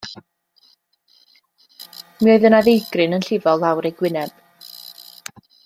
Mi oedd yna ddeigryn yn llifo lawr ei gwyneb.